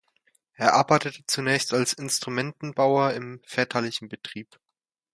Er arbeitete zunächst als Instrumentenbauer im väterlichen Betrieb.